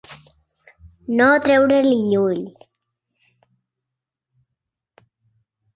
No treure-li l'ull.